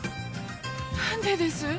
なんでです？